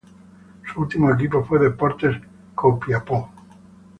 Su último equipo fue Deportes Copiapó.